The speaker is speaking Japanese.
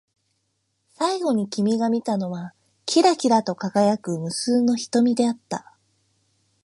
最後に君が見たのは、きらきらと輝く無数の瞳であった。